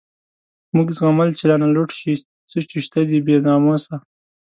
موږ زغمل چی رانه لوټ شی، څه چی شته دی بی ناموسه